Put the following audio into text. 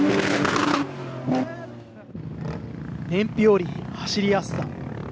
燃費より走りやすさ。